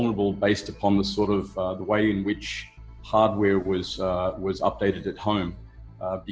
anda lebih kurang terbunuh berdasarkan cara di mana perangkat terbaru diupdate di rumah